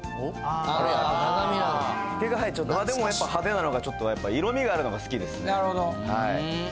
時計がはいちょっとでもやっぱ派手なのがちょっとやっぱり色味があるのが好きですね。